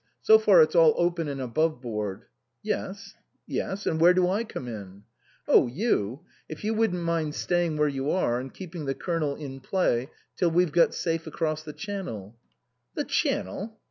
So far it's all open and above board "" Yes yes. And where do I come in ?"" Oh, you if you wouldn't mind staying where you are and keeping the Colonel in play till we've got safe across the Channel " "The Channel?"